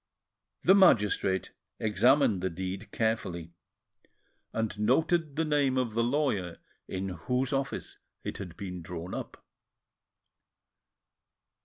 The magistrate examined the deed carefully, and noted the name of the lawyer in whose office it had been drawn up.